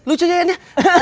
lucu aja yan ya